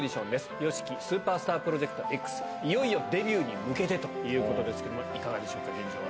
ＹＯＳＨＩＫＩＳＵＰＥＲＳＴＡＲＰＲＯＪＥＣＴＸ、いよいよデビューに向けてということですけれども、いかがでしょうか、現場は。